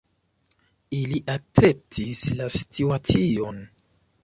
Ili akceptis la situacion.